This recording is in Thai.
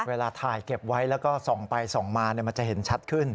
เวลาถ่ายเก็บไว้แล้วก็ส่องไปส่องมามันจะเห็นชัดขึ้น